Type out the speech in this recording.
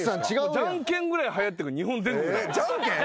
じゃんけんぐらいはやってる日本全国で。